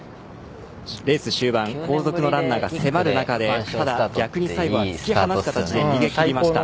レース終盤後続のランナーが迫る中でただ、逆に最後は突き放す形で逃げ切りました。